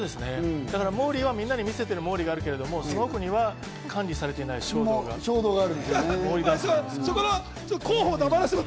モーリーはみんなに見せてるモーリーがあるけど、その奥には管理されてないモーリーがいる。